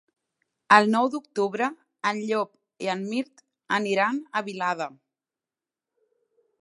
El nou d'octubre en Llop i en Mirt aniran a Vilada.